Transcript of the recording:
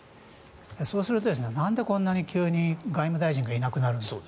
そうすると、なんでこんなに急に外務大臣がいなくなるんだと。